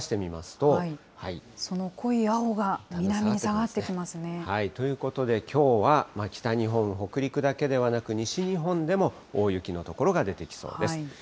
その濃い青が下がってきますということで、きょうは北日本、北陸だけではなく、西日本でも大雪の所が出てきそうです。